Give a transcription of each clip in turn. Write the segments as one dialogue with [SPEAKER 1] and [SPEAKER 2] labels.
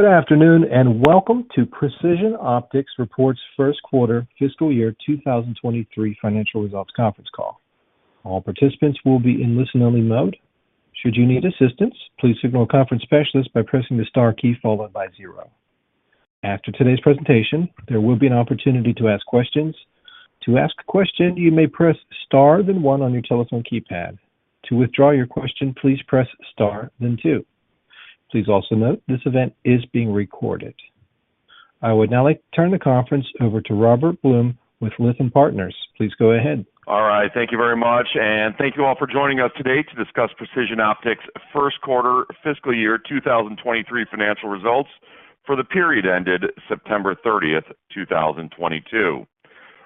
[SPEAKER 1] Good afternoon, and welcome to Precision Optics Corporation's Q1 fiscal year 2023 financial results conference call. All participants will be in listen-only mode. Should you need assistance, please signal a conference specialist by pressing the star key followed by 0. After today's presentation, there will be an opportunity to ask questions. To ask a question, you may press star then 1 on your telephone keypad. To withdraw your question, please press star then 2. Please also note, this event is being recorded. I would now like to turn the conference over to Robert Blum with Lytham Partners. Please go ahead.
[SPEAKER 2] All right. Thank you very much, and thank you all for joining us today to discuss Precision Optics Q1 fiscal year 2023 financial results for the period ended September 30, 2022.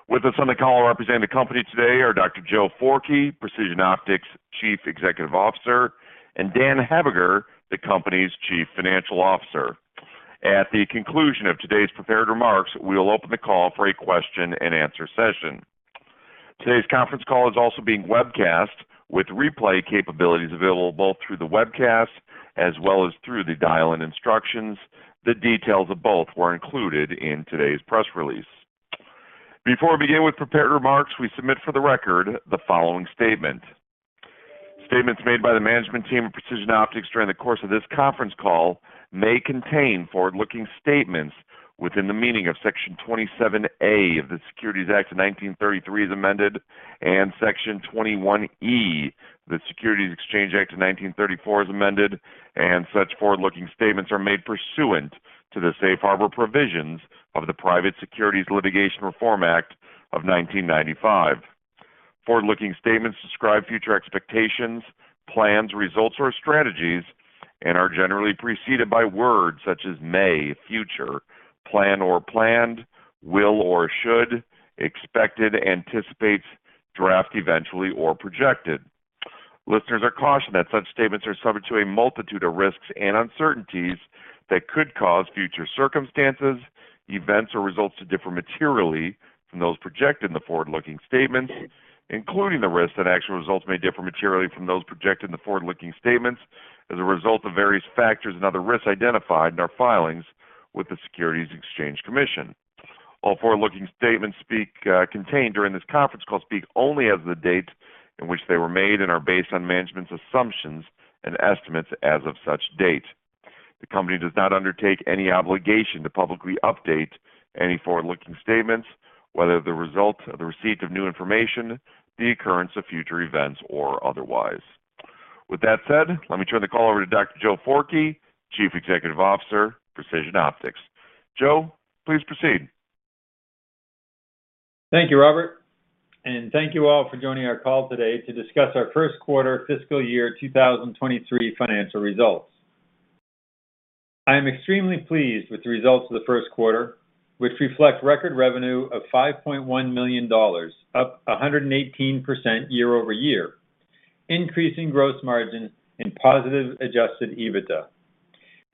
[SPEAKER 2] With us on the call representing the company today are Dr. Joe Forkey, Precision Optics Chief Executive Officer, and Dan Habhegger, the company's Chief Financial Officer. At the conclusion of today's prepared remarks, we will open the call for a Q&A session. Today's conference call is also being webcast with replay capabilities available both through the webcast as well as through the dial-in instructions. The details of both were included in today's press release. Before we begin with prepared remarks, we submit for the record the following statement. Statements made by the management team of Precision Optics during the course of this conference call may contain forward-looking statements within the meaning of Section 27A of the Securities Act of 1933 as amended, and Section 21E of the Securities Exchange Act of 1934 as amended, and such forward-looking statements are made pursuant to the Safe Harbor provisions of the Private Securities Litigation Reform Act of 1995. Forward-looking statements describe future expectations, plans, results, or strategies and are generally preceded by words such as may, future, plan or planned, will or should, expected, anticipates, draft, eventually, or projected. Listeners are cautioned that such statements are subject to a multitude of risks and uncertainties that could cause future circumstances, events, or results to differ materially from those projected in the forward-looking statements, including the risk that actual results may differ materially from those projected in the forward-looking statements as a result of various factors and other risks identified in our filings with the Securities and Exchange Commission. All forward-looking statements contained during this conference call speak only as of the date in which they were made and are based on management's assumptions and estimates as of such date. The company does not undertake any obligation to publicly update any forward-looking statements, whether the result of the receipt of new information, the occurrence of future events, or otherwise. With that said, let me turn the call over to Dr. Joe Forkey, Chief Executive Officer, Precision Optics. Joe, please proceed.
[SPEAKER 3] Thank you, Robert, and thank you all for joining our call today to discuss our Q1 fiscal year 2023 financial results. I am extremely pleased with the results of the Q1, which reflect record revenue of $5.1 million, up 118% year-over-year, increasing gross margin and positive adjusted EBITDA.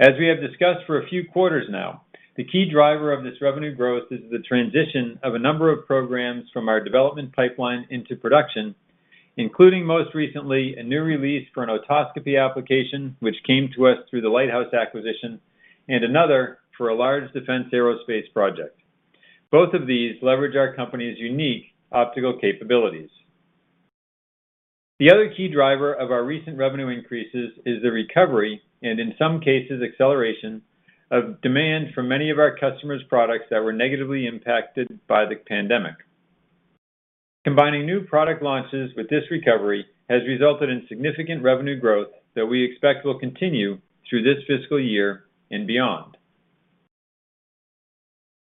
[SPEAKER 3] As we have discussed for a few quarters now, the key driver of this revenue growth is the transition of a number of programs from our development pipeline into production, including, most recently, a new release for an otoscopy application which came to us through the Lighthouse acquisition and another for a large defense aerospace project. Both of these leverage our company's unique optical capabilities. The other key driver of our recent revenue increases is the recovery, and in some cases acceleration, of demand for many of our customers' products that were negatively impacted by the pandemic. Combining new product launches with this recovery has resulted in significant revenue growth that we expect will continue through this fiscal year and beyond.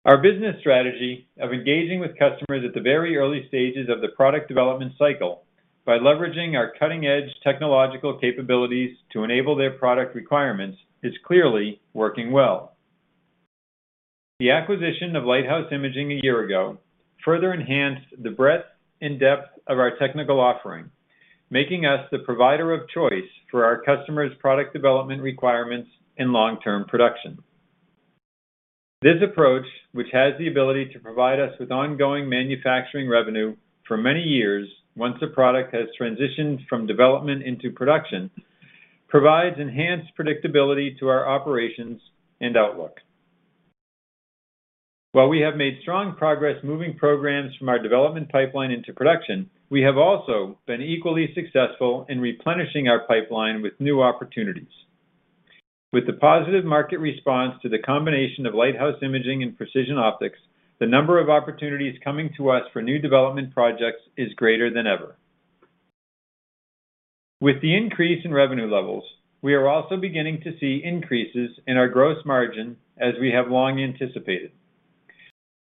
[SPEAKER 3] Our business strategy of engaging with customers at the very early stages of the product development cycle by leveraging our cutting-edge technological capabilities to enable their product requirements is clearly working well. The acquisition of Lighthouse Imaging a year ago further enhanced the breadth and depth of our technical offering, making us the provider of choice for our customers' product development requirements and long-term production. This approach, which has the ability to provide us with ongoing manufacturing revenue for many years once a product has transitioned from development into production, provides enhanced predictability to our operations and outlook. While we have made strong progress moving programs from our development pipeline into production, we have also been equally successful in replenishing our pipeline with new opportunities. With the positive market response to the combination of Lighthouse Imaging and Precision Optics, the number of opportunities coming to us for new development projects is greater than ever. With the increase in revenue levels, we are also beginning to see increases in our gross margin as we have long anticipated.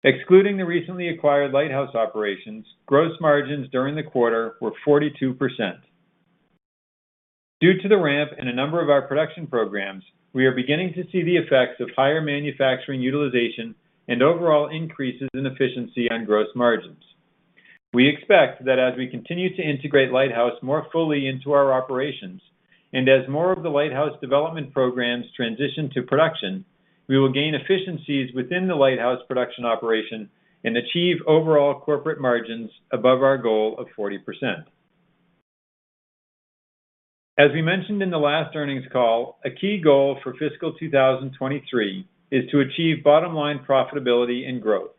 [SPEAKER 3] Excluding the recently acquired Lighthouse operations, gross margins during the quarter were 42%. Due to the ramp in a number of our production programs, we are beginning to see the effects of higher manufacturing utilization and overall increases in efficiency on gross margins. We expect that as we continue to integrate Lighthouse more fully into our operations and as more of the Lighthouse development programs transition to production, we will gain efficiencies within the Lighthouse production operation and achieve overall corporate margins above our goal of 40%. We mentioned in the last earnings call, a key goal for fiscal 2023 is to achieve bottom-line profitability and growth.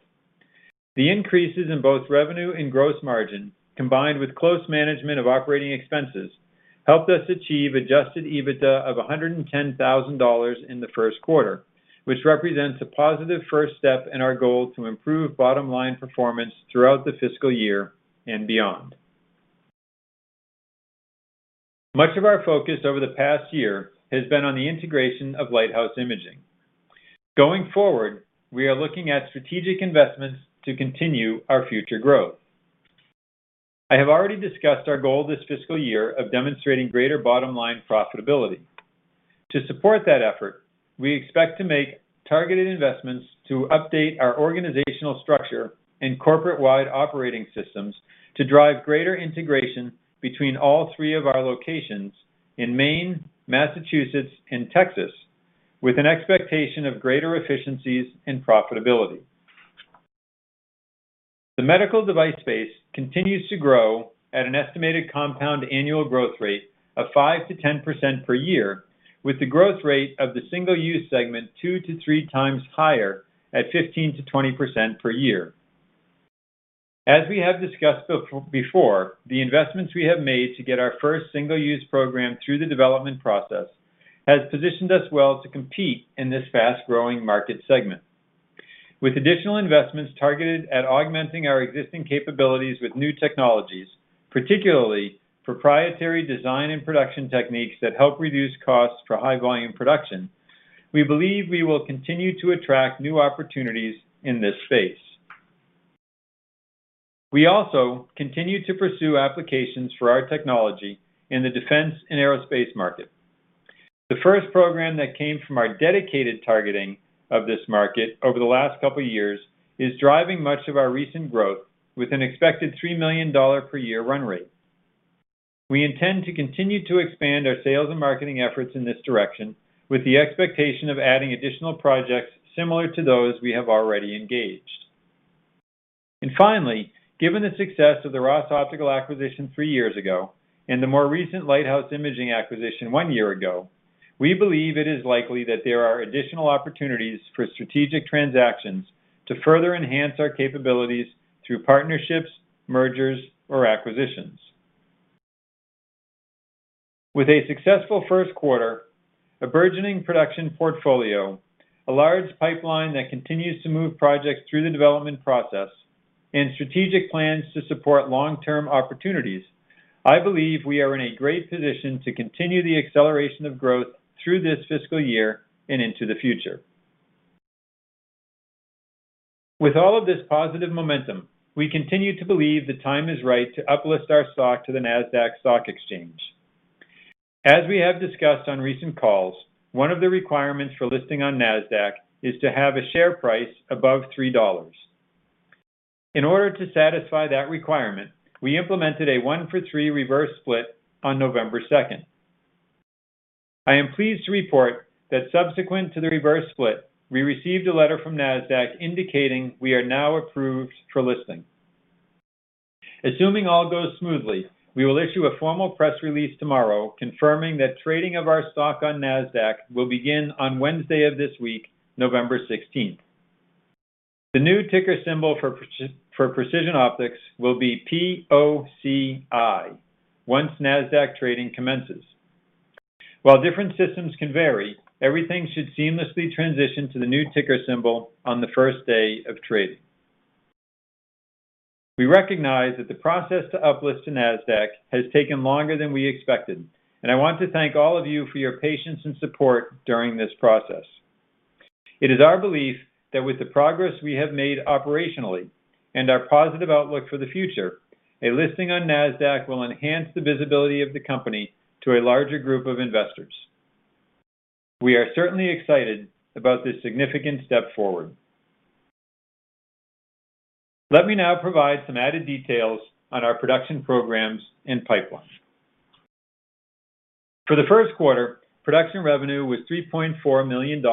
[SPEAKER 3] The increases in both revenue and gross margin, combined with close management of operating expenses, helped us achieve adjusted EBITDA of $110,000 in the Q1, which represents a positive first step in our goal to improve bottom-line performance throughout the fiscal year and beyond. Much of our focus over the past year has been on the integration of Lighthouse Imaging. Going forward, we are looking at strategic investments to continue our future growth. I have already discussed our goal this fiscal year of demonstrating greater bottom-line profitability. To support that effort, we expect to make targeted investments to update our organizational structure and corporate-wide operating systems to drive greater integration between all three of our locations in Maine, Massachusetts, and Texas, with an expectation of greater efficiencies and profitability. The medical device space continues to grow at an estimated compound annual growth rate of 5%-10% per year, with the growth rate of the single-use segment 2-3 times higher at 15%-20% per year. As we have discussed before, the investments we have made to get our first single-use program through the development process has positioned us well to compete in this fast-growing market segment. With additional investments targeted at augmenting our existing capabilities with new technologies, particularly proprietary design and production techniques that help reduce costs for high volume production, we believe we will continue to attract new opportunities in this space. We also continue to pursue applications for our technology in the defense and aerospace market. The first program that came from our dedicated targeting of this market over the last couple of years is driving much of our recent growth with an expected $3 million per year run rate. We intend to continue to expand our sales and marketing efforts in this direction with the expectation of adding additional projects similar to those we have already engaged. Finally, given the success of the Ross Optical acquisition 3 years ago and the more recent Lighthouse Imaging acquisition 1 year ago, we believe it is likely that there are additional opportunities for strategic transactions to further enhance our capabilities through partnerships, mergers, or acquisitions. With a successful Q1, a burgeoning production portfolio, a large pipeline that continues to move projects through the development process, and strategic plans to support long-term opportunities, I believe we are in a great position to continue the acceleration of growth through this fiscal year and into the future. With all of this positive momentum, we continue to believe the time is right to uplist our stock to the Nasdaq Stock Exchange. As we have discussed on recent calls, one of the requirements for listing on Nasdaq is to have a share price above $3. In order to satisfy that requirement, we implemented a 1-for-3 reverse split on November second. I am pleased to report that subsequent to the reverse split, we received a letter from Nasdaq indicating we are now approved for listing. Assuming all goes smoothly, we will issue a formal press release tomorrow confirming that trading of our stock on Nasdaq will begin on Wednesday of this week, November sixteenth. The new ticker symbol for Precision Optics will be POCI once Nasdaq trading commences. While different systems can vary, everything should seamlessly transition to the new ticker symbol on the first day of trading. We recognize that the process to uplist to Nasdaq has taken longer than we expected, and I want to thank all of you for your patience and support during this process. It is our belief that with the progress we have made operationally and our positive outlook for the future, a listing on Nasdaq will enhance the visibility of the company to a larger group of investors. We are certainly excited about this significant step forward. Let me now provide some added details on our production programs and pipeline. For the Q1, production revenue was $3.4 million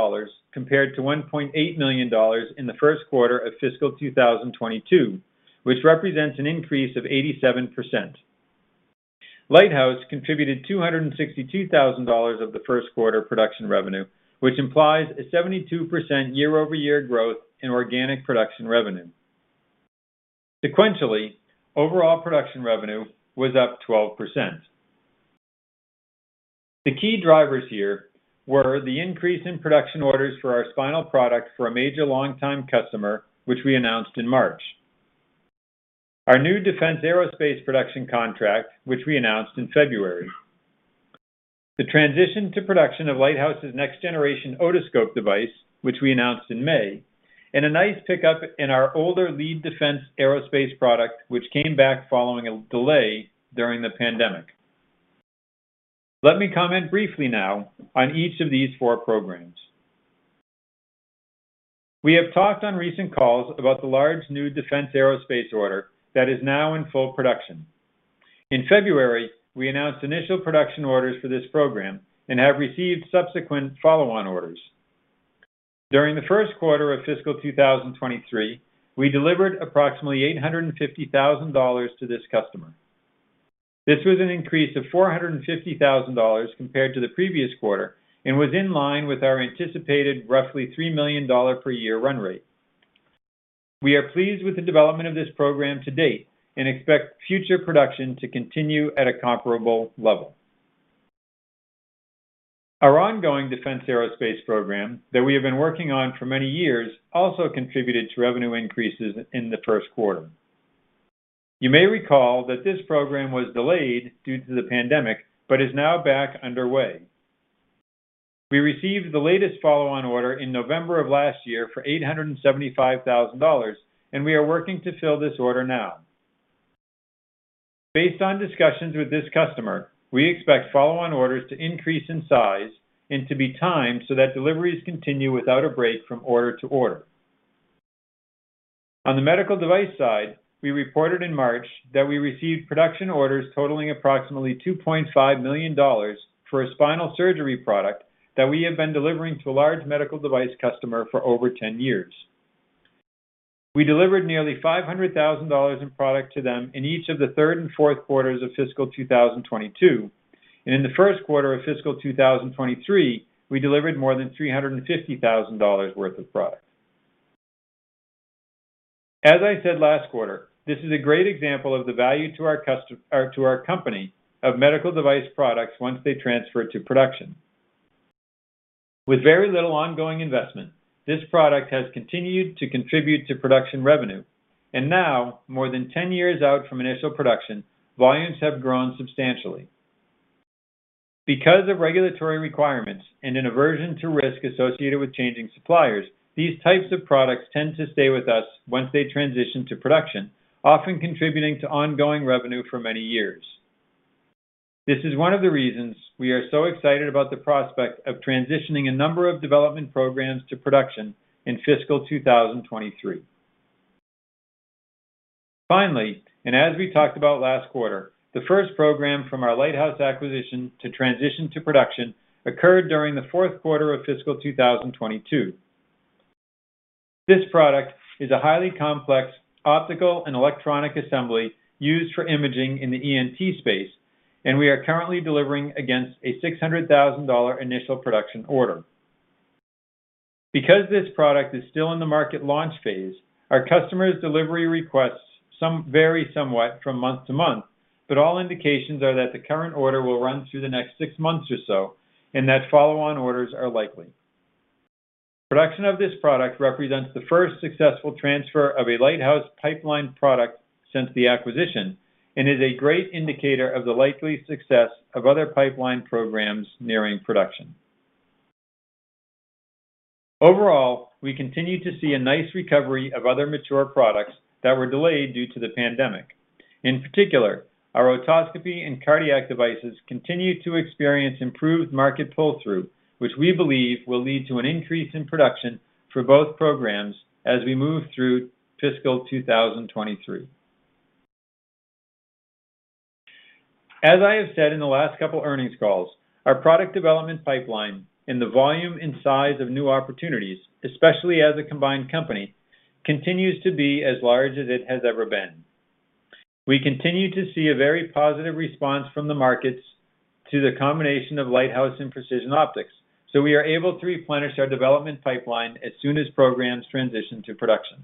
[SPEAKER 3] compared to $1.8 million in the Q1 of fiscal 2022, which represents an increase of 87%. Lighthouse contributed $262,000 of the Q1 production revenue, which implies a 72% year-over-year growth in organic production revenue. Sequentially, overall production revenue was up 12%. The key drivers here were the increase in production orders for our spinal product for a major long-time customer, which we announced in March, our new defense aerospace production contract, which we announced in February, the transition to production of Lighthouse's next generation otoscope device, which we announced in May, and a nice pickup in our older lead defense aerospace product which came back following a delay during the pandemic. Let me comment briefly now on each of these four programs. We have talked on recent calls about the large new defense aerospace order that is now in full production. In February, we announced initial production orders for this program and have received subsequent follow-on orders. During the Q1 of fiscal 2023, we delivered approximately $850,000 to this customer. This was an increase of $450,000 compared to the previous quarter and was in line with our anticipated roughly $3 million per year run rate. We are pleased with the development of this program to date and expect future production to continue at a comparable level. Our ongoing defense aerospace program that we have been working on for many years also contributed to revenue increases in the Q1. You may recall that this program was delayed due to the pandemic, but is now back underway. We received the latest follow-on order in November of last year for $875,000, and we are working to fill this order now. Based on discussions with this customer, we expect follow-on orders to increase in size and to be timed so that deliveries continue without a break from order to order. On the medical device side, we reported in March that we received production orders totaling approximately $2.5 million for a spinal surgery product that we have been delivering to a large medical device customer for over 10 years. We delivered nearly $500,000 in product to them in each of the third and fourth quarters of fiscal 2022. In the Q1 of fiscal 2023, we delivered more than $350,000 worth of product. As I said last quarter, this is a great example of the value to our company of medical device products once they transfer to production. With very little ongoing investment, this product has continued to contribute to production revenue. Now, more than 10 years out from initial production, volumes have grown substantially. Because of regulatory requirements and an aversion to risk associated with changing suppliers, these types of products tend to stay with us once they transition to production, often contributing to ongoing revenue for many years. This is one of the reasons we are so excited about the prospect of transitioning a number of development programs to production in fiscal 2023. Finally, and as we talked about last quarter, the first program from our Lighthouse acquisition to transition to production occurred during the Q4 of fiscal 2022. This product is a highly complex optical and electronic assembly used for imaging in the ENT space, and we are currently delivering against a $600,000 initial production order. Because this product is still in the market launch phase, our customer's delivery requests vary somewhat from month to month, but all indications are that the current order will run through the next six months or so and that follow-on orders are likely. Production of this product represents the first successful transfer of a Lighthouse pipeline product since the acquisition and is a great indicator of the likely success of other pipeline programs nearing production. Overall, we continue to see a nice recovery of other mature products that were delayed due to the pandemic. In particular, our otoscopy and cardiac devices continue to experience improved market pull-through, which we believe will lead to an increase in production for both programs as we move through fiscal 2023. As I have said in the last couple earnings calls, our product development pipeline and the volume and size of new opportunities, especially as a combined company, continues to be as large as it has ever been. We continue to see a very positive response from the markets to the combination of Lighthouse and Precision Optics, so we are able to replenish our development pipeline as soon as programs transition to production.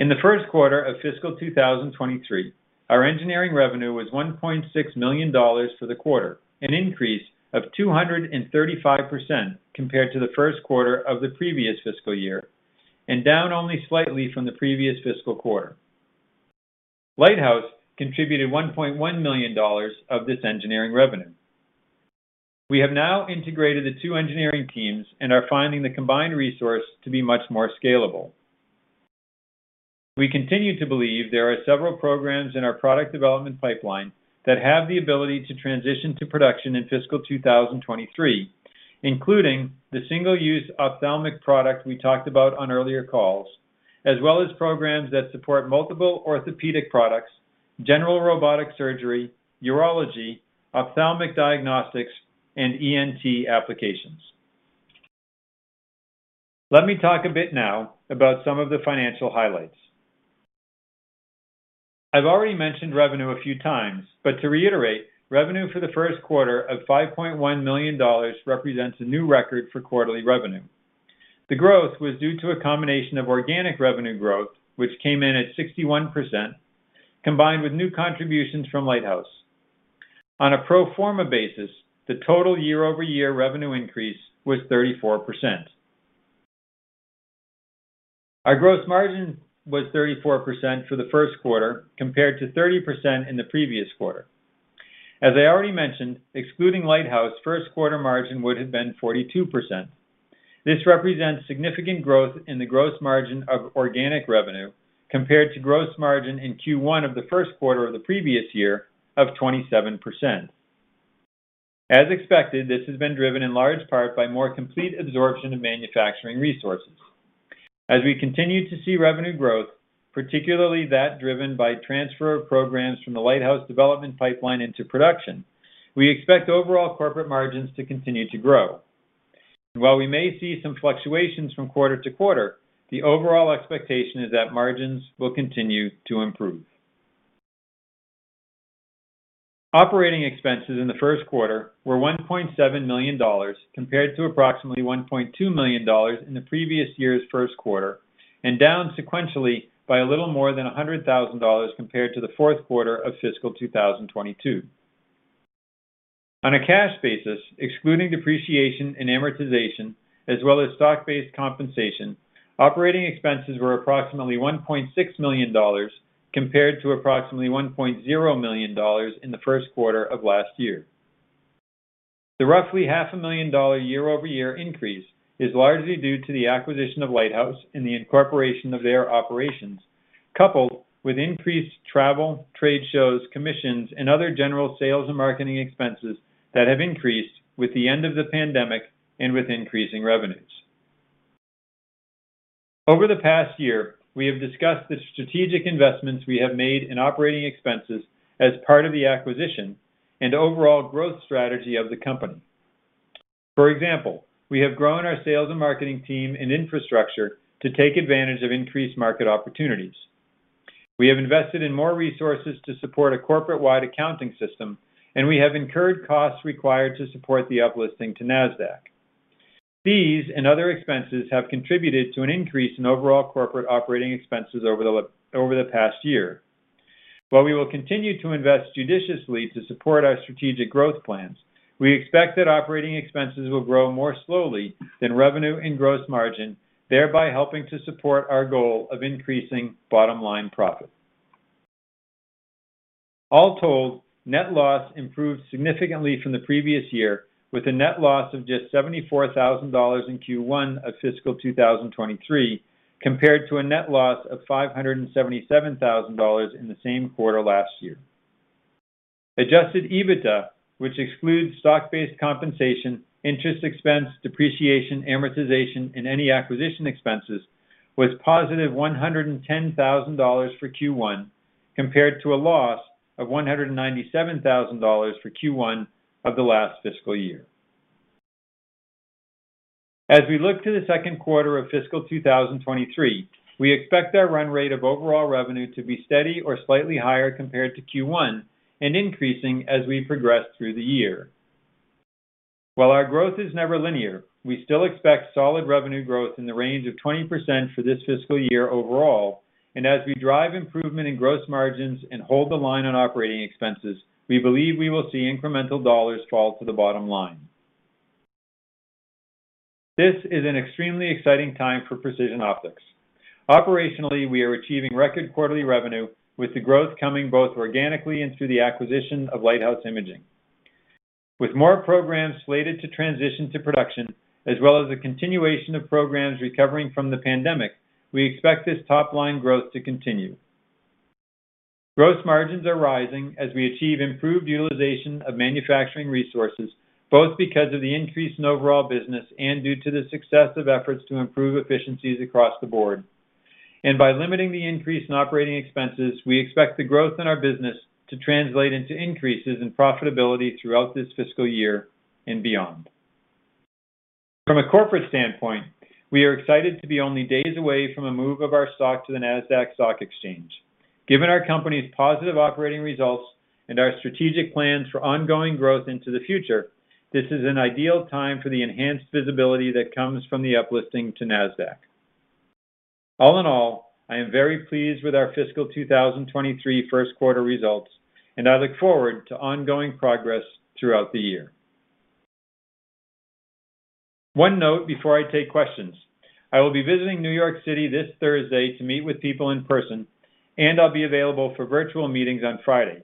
[SPEAKER 3] In the Q1 of fiscal 2023, our engineering revenue was $1.6 million for the quarter, an increase of 235% compared to the Q1 of the previous fiscal year and down only slightly from the previous fiscal quarter. Lighthouse contributed $1.1 million of this engineering revenue. We have now integrated the two engineering teams and are finding the combined resource to be much more scalable. We continue to believe there are several programs in our product development pipeline that have the ability to transition to production in fiscal 2023, including the single-use ophthalmic product we talked about on earlier calls, as well as programs that support multiple orthopedic products, general robotic surgery, urology, ophthalmic diagnostics, and ENT applications. Let me talk a bit now about some of the financial highlights. I've already mentioned revenue a few times, but to reiterate, revenue for the Q1 of $5.1 million represents a new record for quarterly revenue. The growth was due to a combination of organic revenue growth, which came in at 61%, combined with new contributions from Lighthouse. On a pro forma basis, the total year-over-year revenue increase was 34%. Our gross margin was 34% for the Q1 compared to 30% in the previous quarter. As I already mentioned, excluding Lighthouse, Q1 margin would have been 42%. This represents significant growth in the gross margin of organic revenue compared to gross margin in Q1 of the Q1 of the previous year of 27%. As expected, this has been driven in large part by more complete absorption of manufacturing resources. As we continue to see revenue growth, particularly that driven by transfer of programs from the Lighthouse development pipeline into production, we expect overall corporate margins to continue to grow. While we may see some fluctuations from quarter to quarter, the overall expectation is that margins will continue to improve. Operating expenses in the Q1 were $1.7 million compared to approximately $1.2 million in the previous year's Q1, and down sequentially by a little more than $100,000 compared to the Q4 of fiscal 2022. On a cash basis, excluding depreciation and amortization as well as stock-based compensation, operating expenses were approximately $1.6 million compared to approximately $1.0 million in the Q1 of last year. The roughly half a million dollars year-over-year increase is largely due to the acquisition of Lighthouse and the incorporation of their operations, coupled with increased travel, trade shows, commissions, and other general sales and marketing expenses that have increased with the end of the pandemic and with increasing revenues. Over the past year, we have discussed the strategic investments we have made in operating expenses as part of the acquisition and overall growth strategy of the company. For example, we have grown our sales and marketing team and infrastructure to take advantage of increased market opportunities. We have invested in more resources to support a corporate-wide accounting system, and we have incurred costs required to support the uplisting to Nasdaq. These and other expenses have contributed to an increase in overall corporate operating expenses over the past year. While we will continue to invest judiciously to support our strategic growth plans, we expect that operating expenses will grow more slowly than revenue and gross margin, thereby helping to support our goal of increasing bottom-line profit. All told, net loss improved significantly from the previous year with a net loss of just $74,000 in Q1 of fiscal 2023, compared to a net loss of $577,000 in the same quarter last year. Adjusted EBITDA, which excludes stock-based compensation, interest expense, depreciation, amortization, and any acquisition expenses, was positive $110,000 for Q1 compared to a loss of $197,000 for Q1 of the last fiscal year. As we look to the Q2 of fiscal 2023, we expect our run rate of overall revenue to be steady or slightly higher compared to Q1 and increasing as we progress through the year. While our growth is never linear, we still expect solid revenue growth in the range of 20% for this fiscal year overall. As we drive improvement in gross margins and hold the line on operating expenses, we believe we will see incremental dollars fall to the bottom line. This is an extremely exciting time for Precision Optics. Operationally, we are achieving record quarterly revenue with the growth coming both organically and through the acquisition of Lighthouse Imaging. With more programs slated to transition to production as well as the continuation of programs recovering from the pandemic, we expect this top-line growth to continue. Gross margins are rising as we achieve improved utilization of manufacturing resources, both because of the increase in overall business and due to the success of efforts to improve efficiencies across the board. By limiting the increase in operating expenses, we expect the growth in our business to translate into increases in profitability throughout this fiscal year and beyond. From a corporate standpoint, we are excited to be only days away from a move of our stock to the Nasdaq Stock Exchange. Given our company's positive operating results and our strategic plans for ongoing growth into the future, this is an ideal time for the enhanced visibility that comes from the uplisting to Nasdaq. All in all, I am very pleased with our fiscal 2023 Q1 results, and I look forward to ongoing progress throughout the year. One note before I take questions. I will be visiting New York City this Thursday to meet with people in person, and I'll be available for virtual meetings on Friday.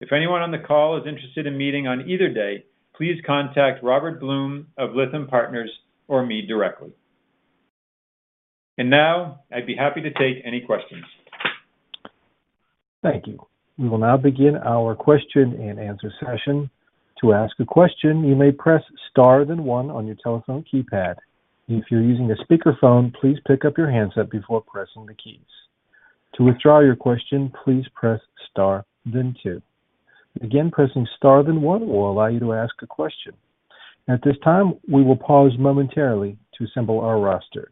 [SPEAKER 3] If anyone on the call is interested in meeting on either day, please contact Robert Blum of Lytham Partners or me directly. Now I'd be happy to take any questions.
[SPEAKER 1] Thank you. We will now begin our question and answer session. To ask a question, you may press star then one on your telephone keypad. If you're using a speakerphone, please pick up your handset before pressing the keys. To withdraw your question, please press star then two. Again, pressing star then one will allow you to ask a question. At this time, we will pause momentarily to assemble our roster.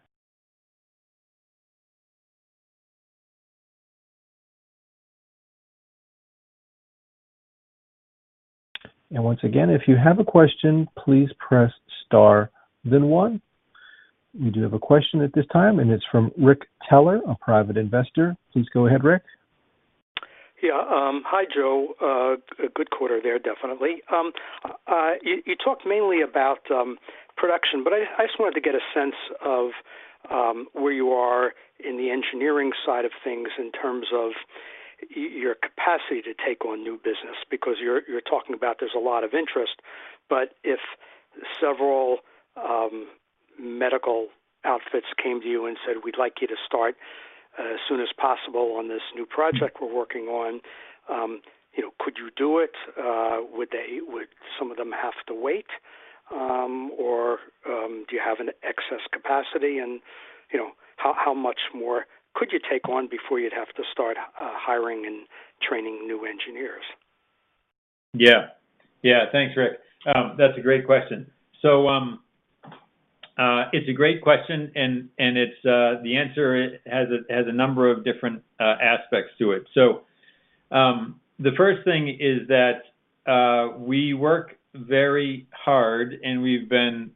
[SPEAKER 1] Once again, if you have a question, please press star then one. We do have a question at this time, and it's from Rick Teller, a private investor. Please go ahead, Rick.
[SPEAKER 4] Yeah. Hi, Joe. A good quarter there, definitely. You talked mainly about production, but I just wanted to get a sense of where you are in the engineering side of things in terms of your capacity to take on new business because you're talking about there's a lot of interest. If several medical outfits came to you and said, "We'd like you to start as soon as possible on this new project we're working on, you know, could you do it? Would some of them have to wait? Or do you have an excess capacity? You know, how much more could you take on before you'd have to start hiring and training new engineers?
[SPEAKER 3] Yeah. Thanks, Rick. That's a great question. It's a great question, and it's the answer has a number of different aspects to it. The first thing is that we work very hard, and we've been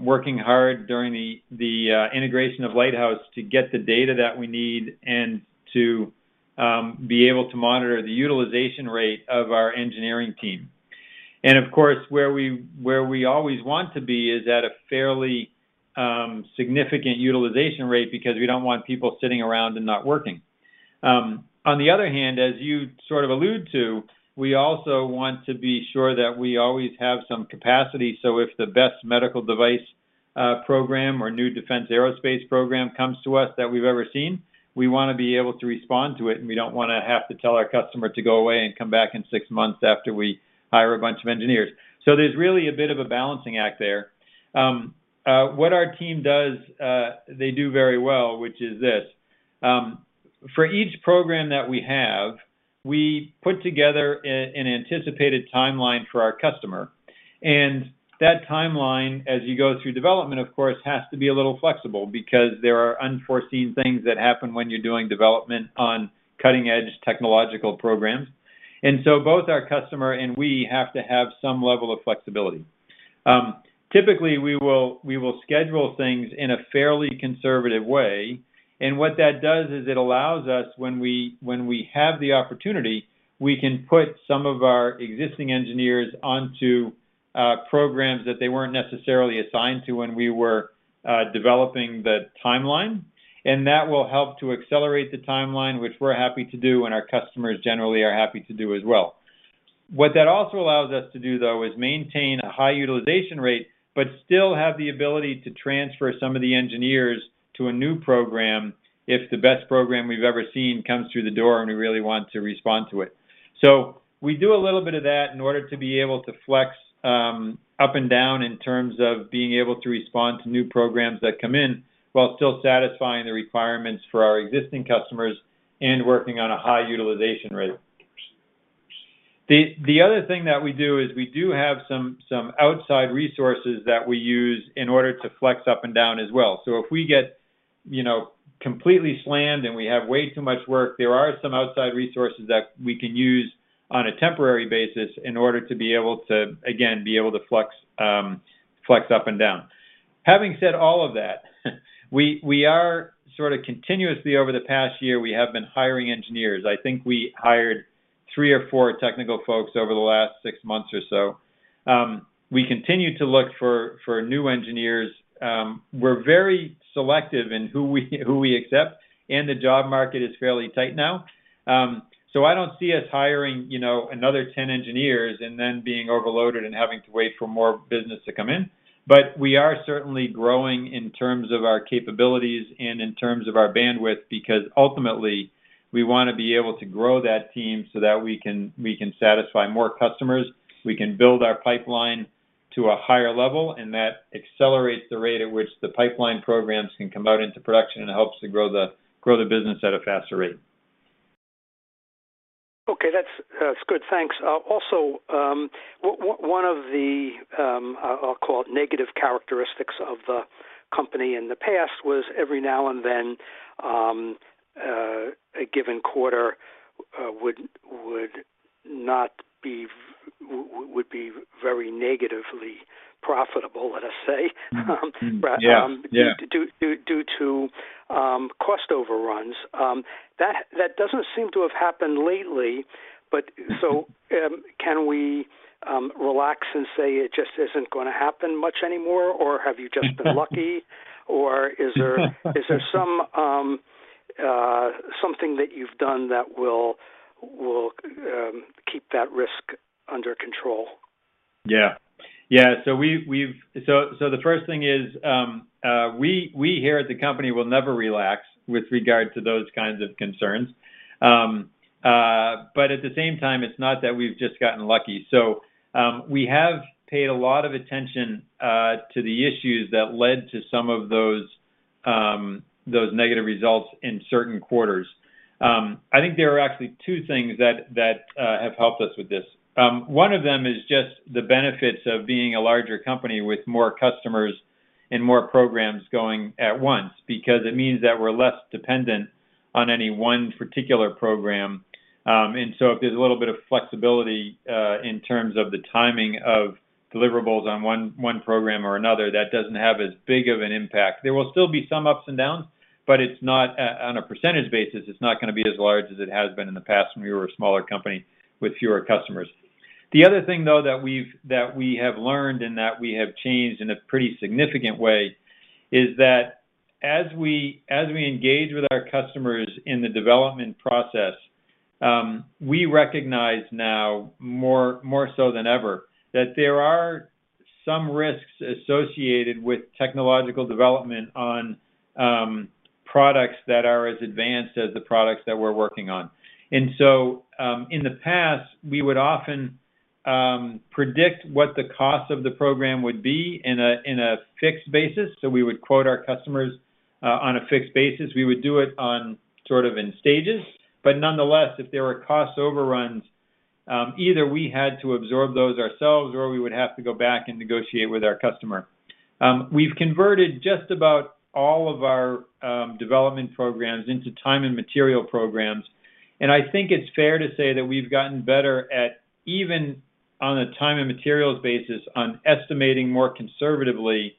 [SPEAKER 3] working hard during the integration of Lighthouse to get the data that we need and to be able to monitor the utilization rate of our engineering team. Of course, where we always want to be is at a fairly significant utilization rate because we don't want people sitting around and not working. On the other hand, as you sort of allude to, we also want to be sure that we always have some capacity, so if the best medical device program or new defense aerospace program comes to us that we've ever seen, we wanna be able to respond to it, and we don't wanna have to tell our customer to go away and come back in six months after we hire a bunch of engineers. There's really a bit of a balancing act there. What our team does, they do very well, which is this, for each program that we have, we put together an anticipated timeline for our customer, and that timeline, as you go through development, of course, has to be a little flexible because there are unforeseen things that happen when you're doing development on cutting-edge technological programs. Both our customer and we have to have some level of flexibility. Typically, we will schedule things in a fairly conservative way, and what that does is it allows us, when we have the opportunity, we can put some of our existing engineers onto programs that they weren't necessarily assigned to when we were developing the timeline. That will help to accelerate the timeline, which we're happy to do and our customers generally are happy to do as well. What that also allows us to do, though, is maintain a high utilization rate but still have the ability to transfer some of the engineers to a new program if the best program we've ever seen comes through the door, and we really want to respond to it. We do a little bit of that in order to be able to flex up and down in terms of being able to respond to new programs that come in while still satisfying the requirements for our existing customers and working on a high utilization rate. The other thing that we do is we do have some outside resources that we use in order to flex up and down as well. If we get, you know, completely slammed, and we have way too much work, there are some outside resources that we can use on a temporary basis in order to be able to, again, be able to flex up and down. Having said all of that, we are sort of continuously over the past year, we have been hiring engineers. I think we hired 3 or 4 technical folks over the last 6 months or so. We continue to look for new engineers. We're very selective in who we accept, and the job market is fairly tight now. I don't see us hiring, you know, another 10 engineers and then being overloaded and having to wait for more business to come in. We are certainly growing in terms of our capabilities and in terms of our bandwidth because ultimately, we wanna be able to grow that team so that we can satisfy more customers, we can build our pipeline to a higher level, and that accelerates the rate at which the pipeline programs can come out into production and helps to grow the business at a faster rate.
[SPEAKER 4] Okay. That's so good. Thanks. Also, one of the, I'll call it negative characteristics of the company in the past was every now and then a given quarter would be very negatively profitable, let us say.
[SPEAKER 3] Mm-hmm. Yeah. Yeah
[SPEAKER 4] Due to cost overruns. That doesn't seem to have happened lately. But
[SPEAKER 3] Mm-hmm
[SPEAKER 4] Can we relax and say it just isn't gonna happen much anymore, or have you just been lucky? Or is there some something that you've done that will keep that risk under control?
[SPEAKER 3] The first thing is, we here at the company will never relax with regard to those kinds of concerns. At the same time, it's not that we've just gotten lucky. We have paid a lot of attention to the issues that led to some of those negative results in certain quarters. I think there are actually two things that have helped us with this. One of them is just the benefits of being a larger company with more customers and more programs going at once because it means that we're less dependent on any one particular program. If there's a little bit of flexibility in terms of the timing of deliverables on one program or another, that doesn't have as big of an impact. There will still be some ups and downs, but it's not, on a percentage basis, it's not gonna be as large as it has been in the past when we were a smaller company with fewer customers. The other thing, though, that we have learned and that we have changed in a pretty significant way is that as we engage with our customers in the development process, we recognize now more so than ever that there are some risks associated with technological development on products that are as advanced as the products that we're working on. In the past, we would often predict what the cost of the program would be on a fixed basis. We would quote our customers on a fixed basis. We would do it sort of in stages. Nonetheless, if there were cost overruns, either we had to absorb those ourselves or we would have to go back and negotiate with our customer. We've converted just about all of our development programs into time and material programs, and I think it's fair to say that we've gotten better at even on a time and materials basis on estimating more conservatively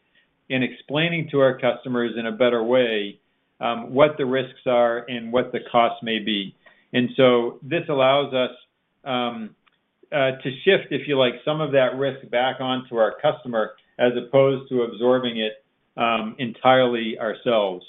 [SPEAKER 3] and explaining to our customers in a better way, what the risks are and what the costs may be. This allows us to shift, if you like, some of that risk back on to our customer as opposed to absorbing it entirely ourselves.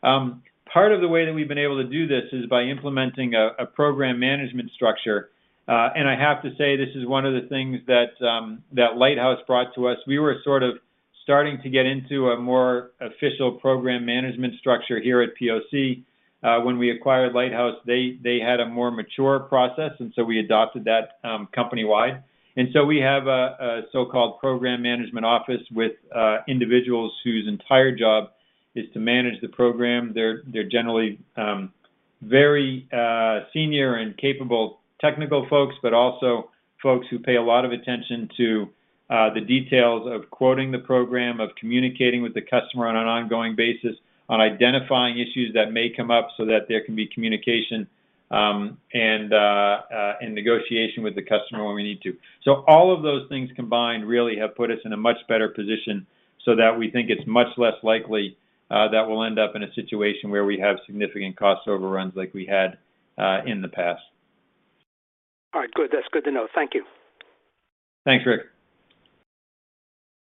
[SPEAKER 3] Part of the way that we've been able to do this is by implementing a program management structure. I have to say, this is one of the things that Lighthouse brought to us. We were sort of starting to get into a more official program management structure here at POC. When we acquired Lighthouse, they had a more mature process, so we adopted that company-wide. We have a so-called program management office with individuals whose entire job is to manage the program. They're generally very senior and capable technical folks, but also folks who pay a lot of attention to the details of quoting the program, of communicating with the customer on an ongoing basis, on identifying issues that may come up so that there can be communication and negotiation with the customer when we need to. All of those things combined really have put us in a much better position so that we think it's much less likely that we'll end up in a situation where we have significant cost overruns like we had in the past.
[SPEAKER 4] All right, good. That's good to know. Thank you.
[SPEAKER 3] Thanks, Rick.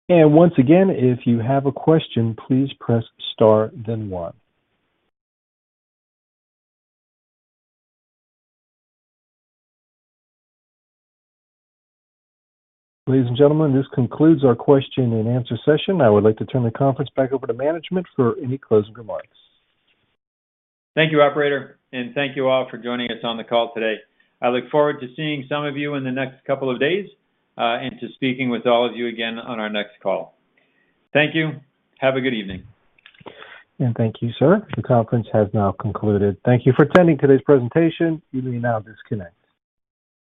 [SPEAKER 1] Once again, if you have a question, please press star then one. Ladies and gentlemen, this concludes our question and answer session. I would like to turn the conference back over to management for any closing remarks.
[SPEAKER 3] Thank you, operator, and thank you all for joining us on the call today. I look forward to seeing some of you in the next couple of days, and to speaking with all of you again on our next call. Thank you. Have a good evening.
[SPEAKER 1] Thank you, sir. The conference has now concluded. Thank you for attending today's presentation. You may now disconnect.